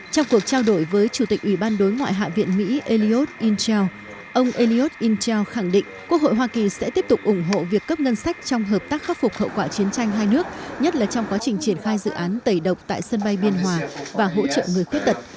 trong cuộc trao đổi với chủ tịch ủy ban đối ngoại hạ viện mỹ elliot inchel ông elliot inchell khẳng định quốc hội hoa kỳ sẽ tiếp tục ủng hộ việc cấp ngân sách trong hợp tác khắc phục hậu quả chiến tranh hai nước nhất là trong quá trình triển khai dự án tẩy độc tại sân bay biên hòa và hỗ trợ người khuyết tật